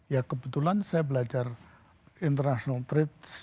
ya kebetulan saya belajar international trade